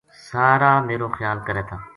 سارا میرو خیال کرے تھا